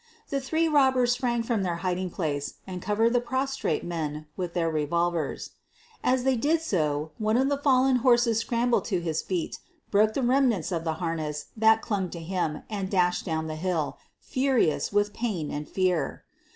The three robbers sprang from their hiding place and covered the prostrate men with their revolvers. As they did so one of the fallen horses scrambled to his feet, broke the remnants of the harness that clung to him and dashed down the hill, furious with pain and fear.